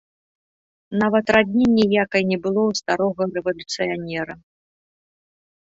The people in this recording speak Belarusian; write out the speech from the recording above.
Нават радні ніякай не было ў старога рэвалюцыянера.